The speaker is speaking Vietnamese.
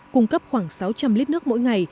cung cấp khoảng sáu trăm linh lít nước mỗi ngày